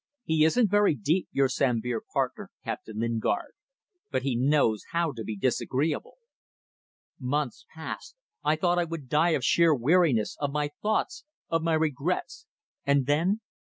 He isn't very deep, your Sambir partner, Captain Lingard, but he knows how to be disagreeable. Months passed. I thought I would die of sheer weariness, of my thoughts, of my regrets And then